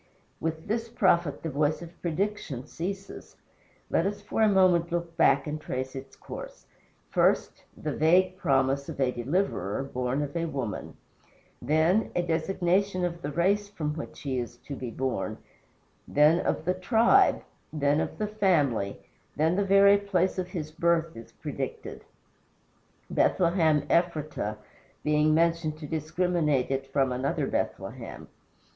With this prophet the voice of prediction ceases. Let us for a moment look back and trace its course. First, the vague promise of a Deliverer, born of a woman; then, a designation of the race from which he is to be born; then of the tribe; then of the family; then the very place of his birth is predicted Bethlehem Ephratah being mentioned to discriminate it from another Bethlehem.